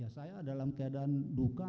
saya dalam keadaan duka